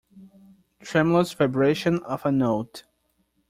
Tremulous vibration of a note.